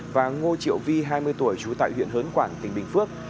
và ngô triệu vi hai mươi tuổi trú tại huyện hớn quảng tỉnh bình phước